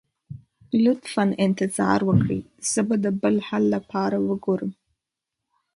لطفا انتظار وکړئ، زه به د بل حل لپاره وګورم.